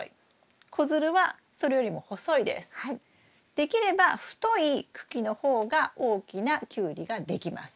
できれば太い茎の方が大きなキュウリができます。